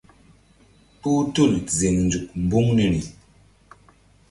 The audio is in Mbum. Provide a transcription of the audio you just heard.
Kpuh tul ziŋ nzuk mbuŋ niri.